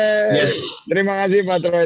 terima kasih pak troy